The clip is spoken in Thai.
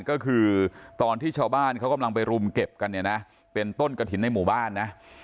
ก็คือตอนที่ชาวบ้านเขากำลังไปรุมเก็บกันเนี่ยนะเป็นต้นกระถิ่นในหมู่บ้านนะ